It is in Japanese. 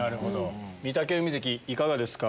御嶽海関いかがですか？